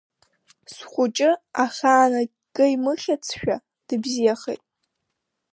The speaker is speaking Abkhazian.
Схәыҷы ахаан акы имыхьцшәа дыбзиахеит.